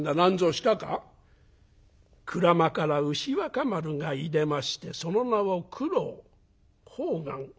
「鞍馬から牛若丸がいでましてその名を九郎判官」。